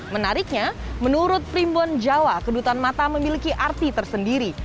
menariknya menurut primbon jawa kedutan mata memiliki arti tersendiri